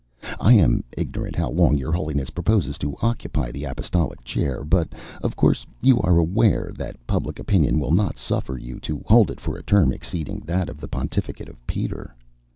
I am ignorant how long your Holiness proposes to occupy the Apostolic chair; but of course you are aware that public opinion will not suffer you to hold it for a term exceeding that of the pontificate of Peter.